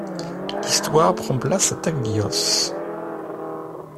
L'histoire prend place à Taglios.